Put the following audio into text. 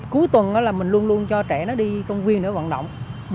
cuối tuần mình luôn luôn cho trẻ nó đi công viên để vận động